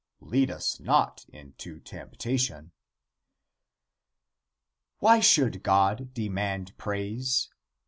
"Lead us not into temptation." Why should God demand praise?